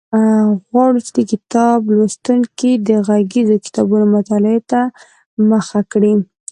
غواړو چې کتاب لوستونکي د غږیزو کتابونو مطالعې ته هم مخه کړي.